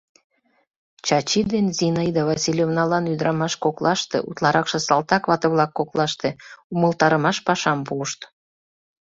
Чачи ден Зинаида Васильевналан ӱдырамаш коклаште, утларакше салтак вате-влак коклаште, умылтарымаш пашам пуышт.